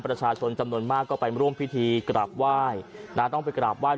ประชาชนจำนวนมากก็ไปร่วมพิธีกราบไหว้นะต้องไปกราบไห้